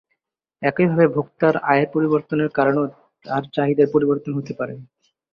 একই ভাবে ভোক্তার আয়ের পরিবর্তনের কারণেও তার চাহিদার পরিবর্তন হতে পারে।